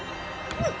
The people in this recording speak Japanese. うっ！